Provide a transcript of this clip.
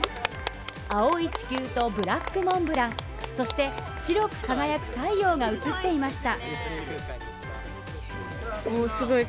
青い地球とブラックモンブラン、そして白く輝く太陽が映っていました。